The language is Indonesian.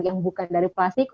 yang bukan dari plastik